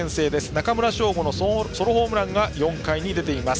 中村奨吾のソロホームランが４回に出ています。